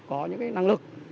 có những cái năng lực